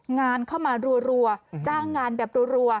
งานเข้ามารัวจ้างงานแบบรัว